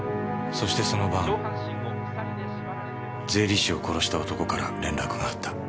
そしてその晩税理士を殺した男から連絡があった。